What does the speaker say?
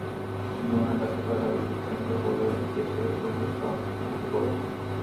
সুন্দরবনের কাছে কয়লাবিদ্যুৎ কেন্দ্র হলে দেশের পরিবেশ চরম ক্ষতির মুখে পড়বে।